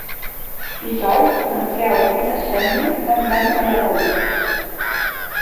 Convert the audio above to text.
Dijous en Quel i na Xènia aniran a Lladorre.